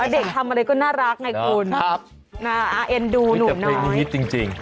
เด็กทำอะไระน่ารักไงคุณอ่าเอ็นดูหนูน้อยจากเพลงงี้จริง